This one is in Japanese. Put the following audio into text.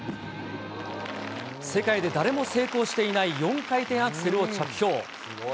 世界で誰も成功していない４回転アクセルを着氷。